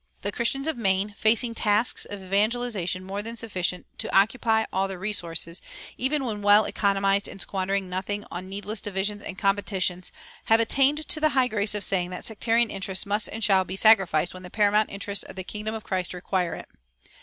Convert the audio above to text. The Christians of Maine, facing tasks of evangelization more than sufficient to occupy all their resources even when well economized and squandering nothing on needless divisions and competitions, have attained to the high grace of saying that sectarian interests must and shall be sacrificed when the paramount interests of the kingdom of Christ require it.